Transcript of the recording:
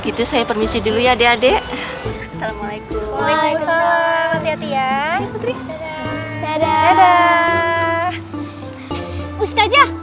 gitu saya permisi dulu ya adek adek assalamualaikum waalaikumsalam hati hati ya putri dadah ustazah